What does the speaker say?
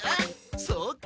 そうか？